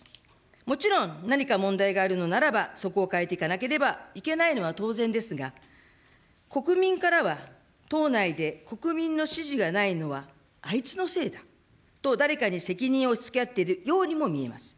もちろん、何か問題があるのならば、そこを変えていかなければいけないのは当然ですが、国民からは、党内で国民の支持がないのは、あいつのせいだと誰かに責任を押し付け合っているようにも見えます。